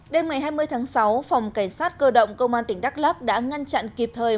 đêm ngày hai mươi tháng sáu phòng cảnh sát cơ động công an tỉnh đắk lắc đã ngăn chặn kịp thời